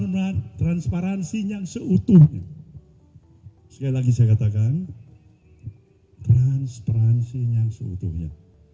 bisa katakan transparansinya seutuhnya